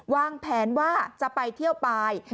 วางแผนว่าจะไปเที่ยวปลาย